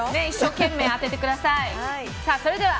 一生懸命、当ててください。